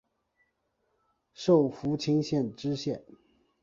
授福清县知县。